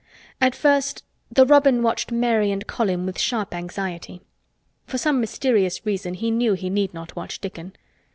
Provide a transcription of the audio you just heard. At first the robin watched Mary and Colin with sharp anxiety. For some mysterious reason he knew he need not watch Dickon.